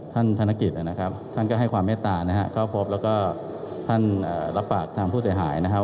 ธนกิจนะครับท่านก็ให้ความเมตตานะครับเข้าพบแล้วก็ท่านรับปากทางผู้เสียหายนะครับ